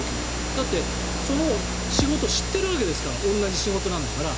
だって、その仕事を知ってるわけですから同じ仕事なんだから。